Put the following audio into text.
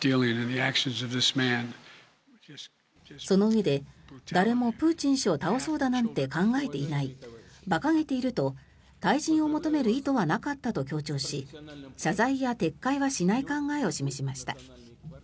そのうえで、誰もプーチン氏を倒そうだなんて考えていない馬鹿げていると退陣を求める意図はなかったと強調し謝罪や撤回はしない考えを示しました。